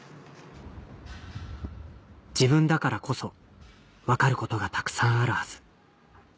自分だからこそ分かることがたくさんあるはず